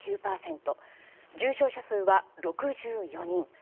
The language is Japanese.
重症者数は６４人。